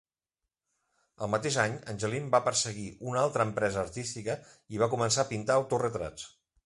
El mateix any, Angelyne va perseguir una altra empresa artística i va començar a pintar autoretrats.